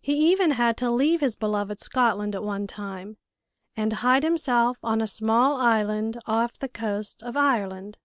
He even had to leave his beloved Scotland at one time, and hide himself on a small island off the coast of Ireland.